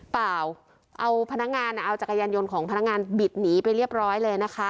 เปล่าเอาพนักงานเอาจักรยานยนต์ของพนักงานบิดหนีไปเรียบร้อยเลยนะคะ